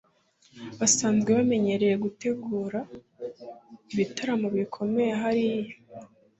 basanzwe bamenyereye gutegura ibitaramo bikomeye hariya